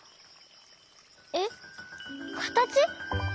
えっかたち？